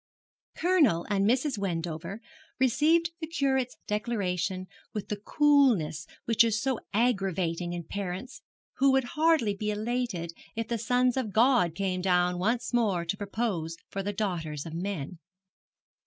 Colonel and Mrs. Wendover received the Curate's declaration with the coolness which is so aggravating in parents, who would hardly be elated if the sons of God came down once more to propose for the daughters of men.